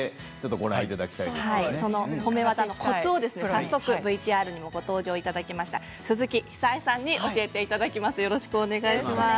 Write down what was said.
その褒め技のコツを早速、ＶＴＲにもご登場いただきました鈴木比砂江さんに教えていただきます。